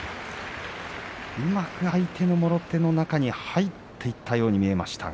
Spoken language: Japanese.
うまく相手のもろ手を中に入っていったように見えましたが。